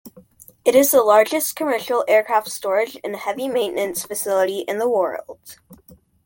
It is the largest commercial aircraft storage and heavy maintenance facility in the world.